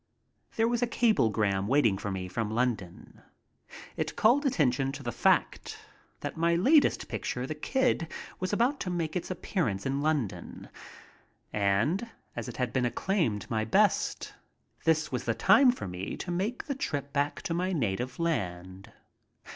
There was a cablegram waiting for me from London. It called atten tion to the fact that my latest picture, "The Kid," was about to make its appearance in London, and, as it had been acclaimed my best, this was the time for me to make the trip back to my native land.